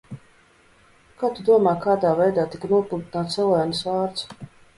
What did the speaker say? Kā tu domā, kādā veidā tika nopludināts Elēnas vārds?